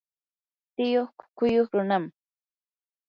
tiyuu qulluq runam.